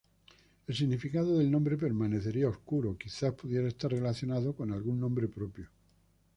El significado del nombre permanecería oscuro, quizás pudiera estar relacionado con algún nombre propio.